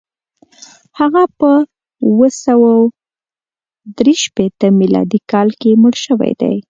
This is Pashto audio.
هغه په اووه سوه درې شپېته میلادي کال کې مړ شوی دی.